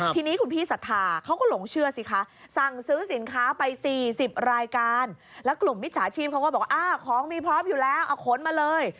ทีนี้คุณพี่สัทธาเขาก็หลงเชื่อสิคะสั่งซื้อสินค้าไป๔๐รายการแล้วกลุ่มมิจฉาชีพเขาก็บอกว่าของมีพร้อมอยู่แล้วเอาขนมาเลย